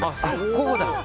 こうだ。